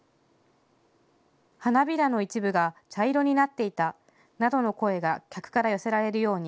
花びらの一部が茶色になっていたなどの声が客から寄せられるように。